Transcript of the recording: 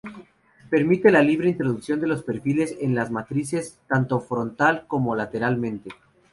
Permite la libre introducción de los perfiles en las matrices, tanto frontal como lateralmente.